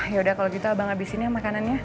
yaudah kalau gitu abang abis ini ya makanannya